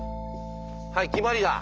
はい決まりだ。